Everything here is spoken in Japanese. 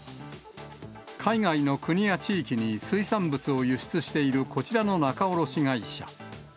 海外の国や地域に水産物を輸出している、こちらの仲卸会社。